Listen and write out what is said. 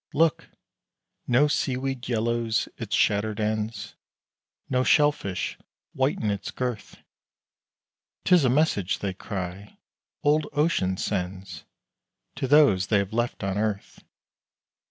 Look! no seaweed yellows its shattered ends! No shell fish whiten its girth! 'Tis a message, they cry, old Ocean sends To those they have left on earth!